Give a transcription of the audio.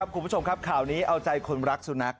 คุณผู้ชมครับข่าวนี้เอาใจคนรักสุนัข